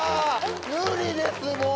無理ですもう！